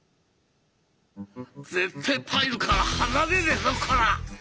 ぜってえパイルから離れねえぞコラ！